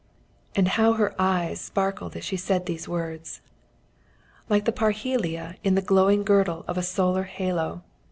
And how her eyes sparkled as she said these words, like the parhelia in the glowing girdle of a solar halo!